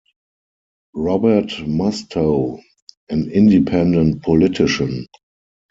Robert Mustow, an independent politician.